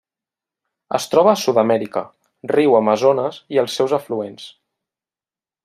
Es troba a Sud-amèrica: riu Amazones i els seus afluents.